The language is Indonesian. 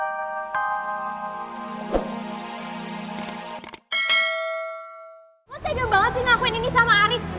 lo tegang banget sih ngelakuin ini sama arief